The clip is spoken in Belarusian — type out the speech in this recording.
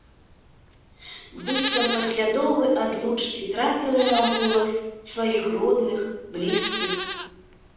Быццам пасля доўгай адлучкі трапіла яна ў кола сваіх родных, блізкіх.